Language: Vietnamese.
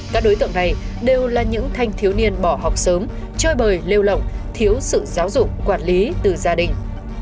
các đối tượng này đều là những thanh thiếu niên bỏ học sớm chơi bời lêu lỏng thiếu sự giáo dục quản lý từ gia đình